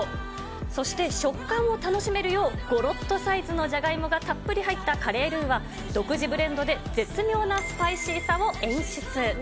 そして食感を楽しめるよう、ごろっとサイズのじゃがいもがたっぷり入ったカレールーは独自ブレンドで絶妙なスパイシーさを演出。